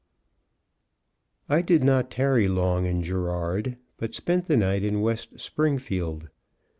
_ I did not tarry long in Girard, but spent the night in West Springfield.